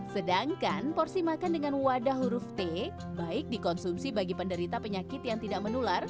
sedangkan porsi makan dengan wadah huruf t baik dikonsumsi bagi penderita penyakit yang tidak menular